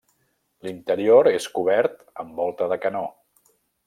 L'interior és cobert amb volta de canó.